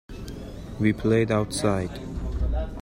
We played outside.